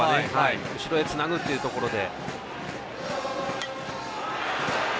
後ろへつなぐというところで。